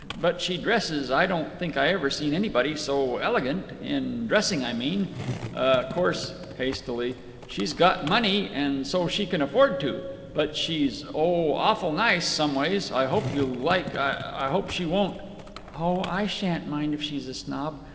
But she dresses I don't think I ever seen anybody so elegant. In dressing, I mean. Course"—hastily—"she's got money, and so she can afford to. But she's—oh, awful nice, some ways. I hope you like—I hope she won't—" "Oh, I sha'n't mind if she's a snob.